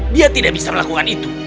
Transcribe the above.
dia tidak bisa melakukan itu